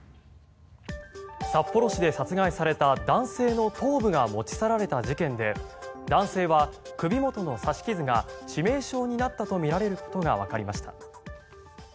札幌市で殺害された男性の頭部が持ち去られた事件で男性は首元の刺し傷が致命傷になったとみられることがわかりました。